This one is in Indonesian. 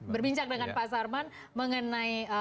berbincang dengan pak sarman mengenai